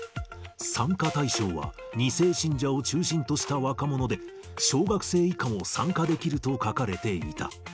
参加対象は２世信者を中心とした若者で、小学生以下も参加できると書かれていた。